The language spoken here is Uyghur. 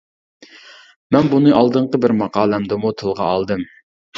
مەن بۇنى ئالدىنقى بىر ماقالەمدىمۇ تىلغا ئالدىم.